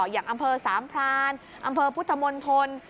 อย่างอำเภอสามพรานอำเภอพุทธมณฑล